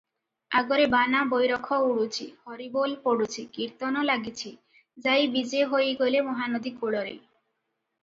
ଆଗରେ ବାନା ବୈରଖ ଉଡୁଛି, ହରିବୋଲ ପଡ଼ୁଛି, କୀର୍ତ୍ତନ ଲାଗିଛି, ଯାଇ ବିଜେ ହୋଇଗଲେ ମହାନଦୀ କୂଳରେ ।